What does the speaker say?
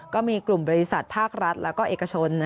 ก็มีกลุ่มบริษัทภาครัฐและเอกชน